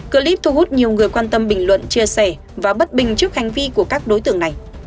clip thu hút nhiều người quan tâm bình luận chia sẻ và bất bình trước hành vi của các đối tượng này